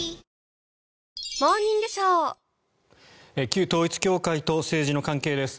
旧統一教会と政治の関係です。